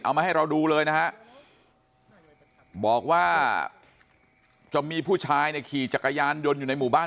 มาให้เราดูเลยนะฮะบอกว่าจะมีผู้ชายเนี่ยขี่จักรยานยนต์อยู่ในหมู่บ้าน